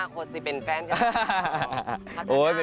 คือ